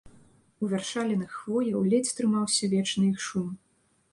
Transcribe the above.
У вяршалінах хвояў ледзь трымаўся вечны іх шум.